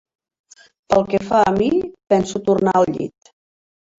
Pel que fa a mi, penso tornar al llit.